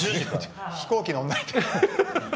飛行機乗らないと。